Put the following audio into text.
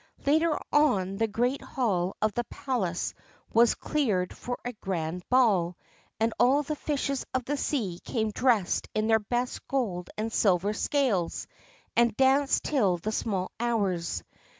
Later on, the great hall of the palace was cleared for a grand ball, and all the fishes of the sea came dressed in their best gold and silver scales, and danced till the small hours.